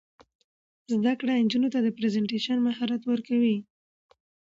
زده کړه نجونو ته د پریزنټیشن مهارت ورکوي.